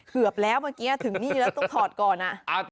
เกือบแล้วเมื่อกี้ถึงนี่แล้วต้องถอดก่อน